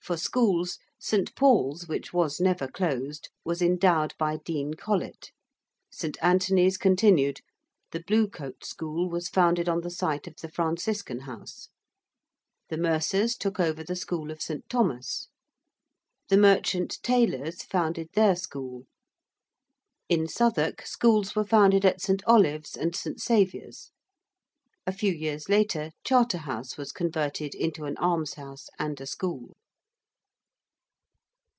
For schools, St. Paul's which was never closed, was endowed by Dean Colet; St. Anthony's continued, the Blue Coat School was founded on the site of the Franciscan House. The Mercers took over the school of St. Thomas. The Merchant Taylors founded their school. In Southwark, schools were founded at St. Olave's and St. Saviour's. A few years later Charterhouse was converted into an almshouse and a school.